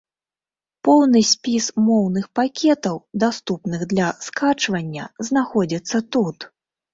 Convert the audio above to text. Поўны спіс моўных пакетаў, даступных для скачвання, знаходзіцца тут.